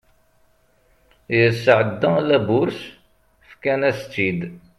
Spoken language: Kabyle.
yesɛedda la bǧurse fkan-as-tt-id